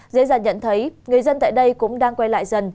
dễ dàng nhận thấy người dân tại đây cũng đang quay lại dần